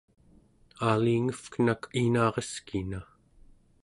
alingevkenak inareskina